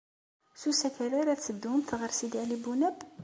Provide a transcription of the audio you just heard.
S usakal ara teddumt ɣer Sidi Ɛli Bunab?